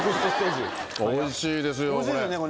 おいしいですよこれ。